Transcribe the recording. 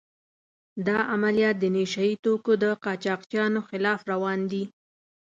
دا عملیات د نشه يي توکو د قاچاقچیانو خلاف روان دي.